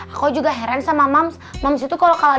aku juga heran sama mams mams itu kalau kalah